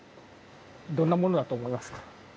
どんなものだと思いますか？